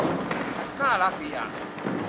น่ารักดีอ่ะ